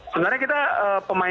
sebenarnya kita pemain